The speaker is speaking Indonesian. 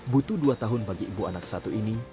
butuh dua tahun bagi ibu anak satu ini